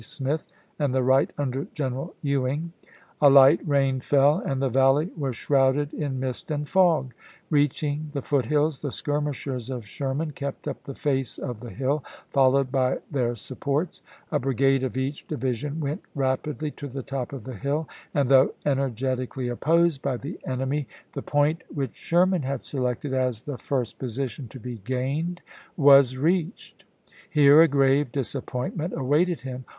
Smith, and the right under General Ewing. A light rain fell, and the valley was shrouded in mist and fog. Reaching the foot hills, the skirmishers of Sherman kept up the face of the hill, followed by their supports ; a brigade of each division went rapidly to the top of the hill; and, though energetically opposed by the enemy, the point which Sherman had selected as the first Part II. p. 573. 140 ABKAHAM LINCOLN Chap. V. position to be gained was reached. Here a grave disappointment awaited him.